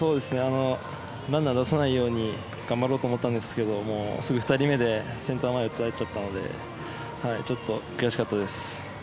ランナーを出さないように頑張ろうと思ったんですけどすぐ２人目でセンター前打たれちゃったので悔しかったです。